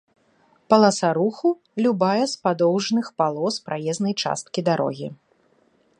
паласа руху — любая з падоўжных палос праезнай часткі дарогі